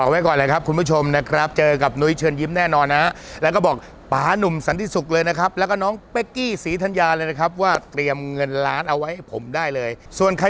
ตัดสินใจให้ดีครับตัดสินใจให้ดีคิดให้ดี